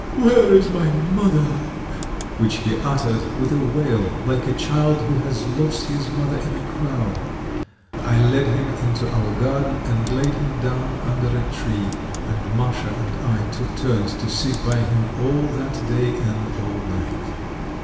Where's my mother?" which he uttered with a wail like a child who has lost his mother in a crowd. I led him into our garden and laid him down under a tree, and Masha and I took turns to sit by him all that day and all night.